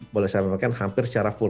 boleh saya sampaikan hampir secara full